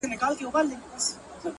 اوس مي لا په هر رگ كي خـوره نـــه ده.!